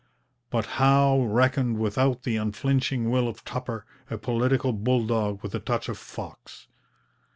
But Howe reckoned without the unflinching will of Tupper, a political bull dog with a touch of fox.